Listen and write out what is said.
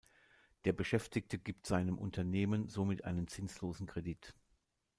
Der Beschäftigte gibt seinem Unternehmen somit einen zinslosen Kredit.